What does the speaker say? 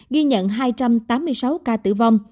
ghi nhận hai trăm tám mươi sáu ca tử vong